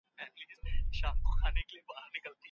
د استاد په غزل کې د ژوند د بې ثباتۍ فلسفه ډېره روښانه ده.